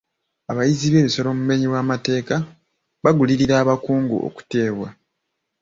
Abayizzi b'ebisolo mu bumenyi bw'amateeka bagulirira abakungu okuteebwa.